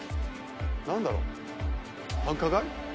なんだろう繁華街？